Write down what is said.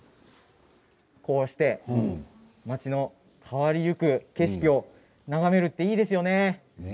こうして町の変わりゆく景色を眺めるっていいですよね。